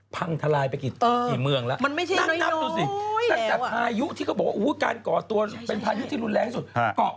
พังทลายไปกี่เมืองแล้วนั่งนับดูสิตั้งแต่พายุที่เขาบอกว่าการก่อตัวเป็นพายุที่รุนแรงที่สุด